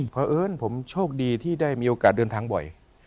เพราะเอิญผมโชคดีที่ได้มีโอกาสเดินทางบ่อย